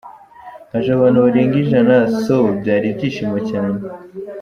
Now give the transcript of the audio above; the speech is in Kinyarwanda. Haje abantu barenga ijana so byari ibyishimo cyane.